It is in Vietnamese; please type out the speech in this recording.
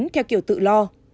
theo kiểu tự lo